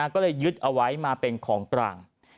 ก็เลยยึดเอาไว้มาเป็นของกลาง